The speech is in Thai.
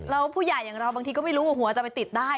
แล้วผู้ใหญ่อย่างเราบางทีก็ไม่รู้ว่าหัวจะไปติดได้